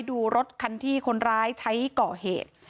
ดูรถคันที่คนร้ายใช้ก่อเหตุ